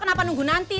kenapa nunggu nanti